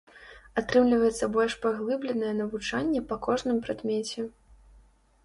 Атрымліваецца больш паглыбленае навучанне па кожным прадмеце.